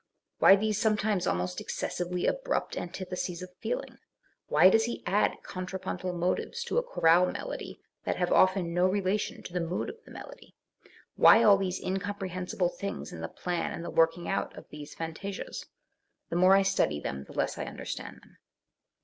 Why these sometimes almost excessively abrupt antitheses of feeling? Why does he add contrapuntal motives to a chorale melody that have often no relation to the mood of the melody? Why all these incomprehen sible things in the plan and the working out of these fan tasias ? The more I study them the less I understand them